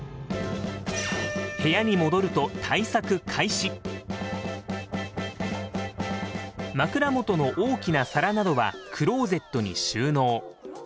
部屋に戻ると枕元の大きな皿などはクローゼットに収納。